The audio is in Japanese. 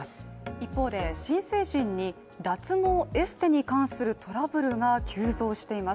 一方で新成人に脱毛エステに関するトラブルが急増しています。